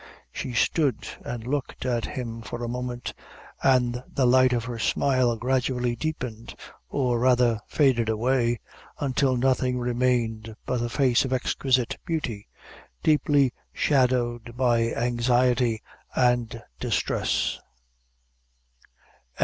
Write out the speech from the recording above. She stood and looked at him for a moment, and the light of her smile gradually deepened, or rather faded away, until nothing remained but a face of exquisite beauty, deeply shadowed by anxiety and distress.